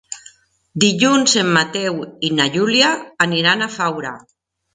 Dilluns en Mateu i na Júlia aniran a Faura.